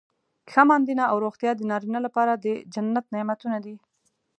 ښه ماندینه او روغتیا د نارینه لپاره د جنت نعمتونه دي.